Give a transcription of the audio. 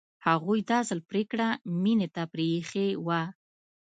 هغوی دا ځل پرېکړه مينې ته پرېښې وه